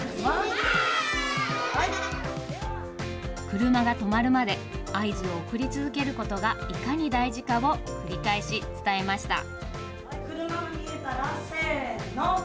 車が止まるまで合図を送り続けることがいかに大事かを繰り返し伝えました。